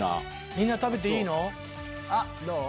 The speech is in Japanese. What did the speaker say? みんな食べていいの？